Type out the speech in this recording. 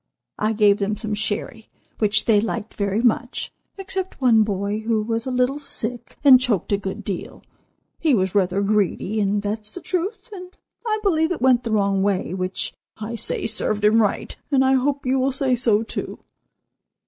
I gave them some sherry, which they liked very much, except one boy who was a little sick and choked a good deal. He was rather greedy, and that's the truth, and I believe it went the wrong way, which I say served him right, and I hope you will say so too.